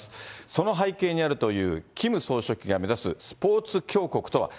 その背景にあるというキム総書記が目指すスポーツ強国とは。